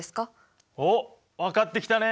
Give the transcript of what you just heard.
おっ分かってきたね